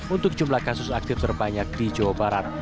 untuk jumlah kasus aktif terbanyak di jawa barat